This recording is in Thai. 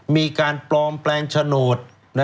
มีการปลอมแปลงโฉนด